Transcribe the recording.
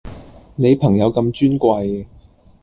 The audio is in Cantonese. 你朋友咁尊貴